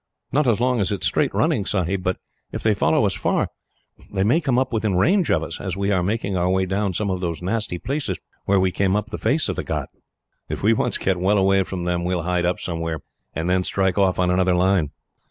"Not as long as it is straight running, Sahib; but if they follow us far, they may come up within range of us as we are making our way down some of those nasty places, where we came up the face of the ghaut." "If we once get well away from them, we will hide up somewhere, and then strike off on another line."